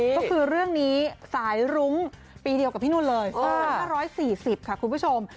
ก็คือเรื่องนี้สายรุ้งปีเดียวกับพี่นุ่นเลย๒๕๔๐ค่ะคุณผู้ชม